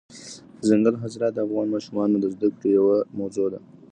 دځنګل حاصلات د افغان ماشومانو د زده کړې یوه موضوع ده.